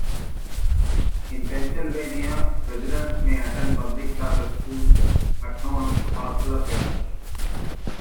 In Pennsylvania, residents may attend public charter schools at no cost to the parents.